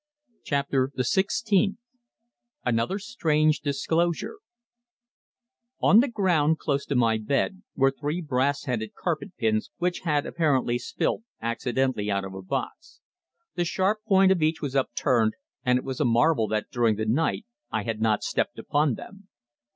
CHAPTER THE SIXTEENTH ANOTHER STRANGE DISCLOSURE On the ground, close to my bed, were three brass headed carpet pins which had apparently spilt accidentally out of a box. The sharp point of each was upturned, and it was a marvel that during the night I had not stepped upon them.